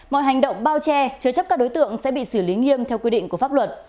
mọi hành động bao che chứa chấp các đối tượng sẽ bị xử lý nghiêm theo quy định của pháp luật